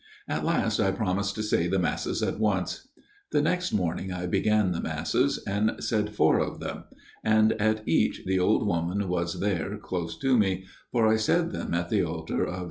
At last I promised to say the Masses at once. The next morning I began the Masses, and said four of them, and at each the old woman was there close to me, for I said them at the altar of S.